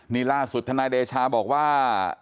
นี่ล่าสุดธนายเดชาบอกว่า